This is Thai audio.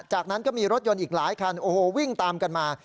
จากนั้นก็มีรถยนต์อีกหลายคันโอ้โหวิ่งตามกันมา